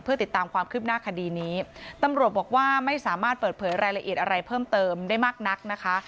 ติดตามความคืบหน้าคดีนี้ตำรวจบอกว่าไม่สามารถเปิดเผยรายละเอียดอะไรเพิ่มเติมได้มากนักนะคะ